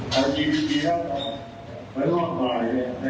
แต่ทีวิทยาละมันรอบร้ายเลยนะครับ